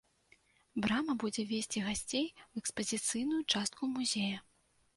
Брама будзе весці гасцей у экспазіцыйную частку музея.